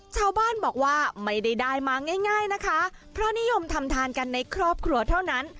ชาวบ้านบอกว่าไม่ได้ได้มาง่ายง่ายนะคะเพราะนิยมทำทานกันในครอบครัวเท่านั้น